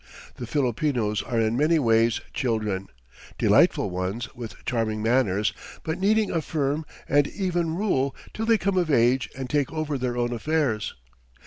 The Filipinos are in many ways children, delightful ones, with charming manners, but needing a firm and even rule till they come of age and take over their own affairs.